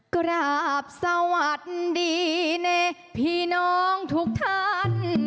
กราบสวัสดีในพี่น้องทุกท่าน